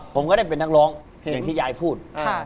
ผมก็ได้เป็นนักร้องอย่างที่ยายพูด